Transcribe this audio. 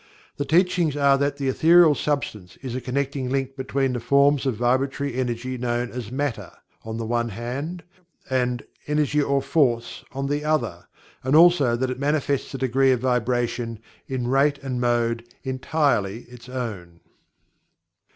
The Teachings are that The Ethereal Substance is a connecting link between the forms of vibratory energy known as "Matter" on the one hand, and "Energy or Force" on the other; and also that it manifests a degree of vibration, in rate and mode, entirely its own.